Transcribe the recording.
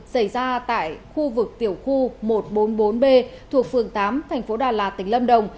xảy ra tại khu vực tiểu khu một trăm bốn mươi bốn b thuộc phường tám thành phố đà lạt tỉnh lâm đồng